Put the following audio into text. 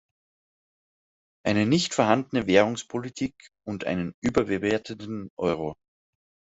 Eine nicht vorhandene Währungspolitik und einen überbewerteten Euro.